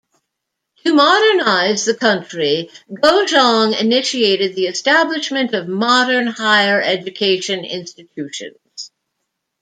To modernize the country, Gojong initiated the establishment of modern higher education institutions.